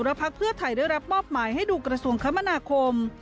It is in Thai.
พักเพื่อไทยได้รับมอบหมายให้ดูกระทรวงคมนาคม